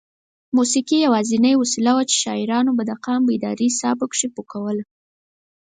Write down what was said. موسېقي یوازینۍ وسیله وه چې شاعرانو به د قام بیدارۍ ساه پکې پو کوله.